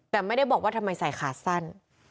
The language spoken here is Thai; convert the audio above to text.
แต่ไม่ได้บอกว่าทำไมใส่ขาสั้น